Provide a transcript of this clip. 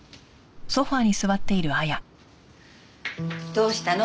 どうしたの？